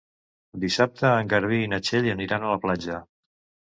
Dissabte en Garbí i na Txell aniran a la platja.